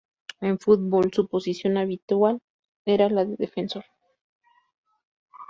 En fútbol, su posición habitual era la de defensor.